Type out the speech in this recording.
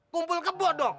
kumpul ke bodong